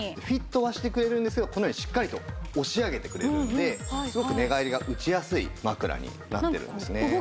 フィットはしてくれるんですけどこのようにしっかりと押し上げてくれるのですごく寝返りが打ちやすい枕になってるんですね。